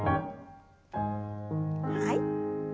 はい。